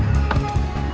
liat dong liat